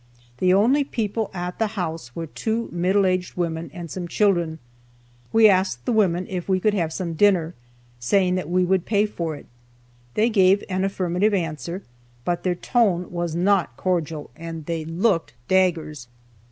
The only people at the house were two middle aged women and some children. We asked the women if we could have some dinner, saying that we would pay for it. They gave an affirmative answer, but their tone was not cordial and they looked "daggers."